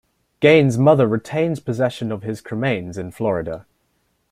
Gein's mother retains possession of his cremains in Florida.